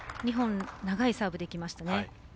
２本長いサーブでいきましたね。